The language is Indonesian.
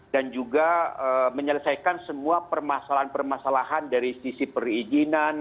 dan juga menyelesaikan semua permasalahan permasalahan dari sisi perizinan